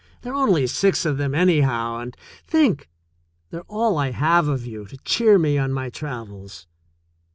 There are only six of them, anyhow, and think, they're all I have of you to cheer me on my travels.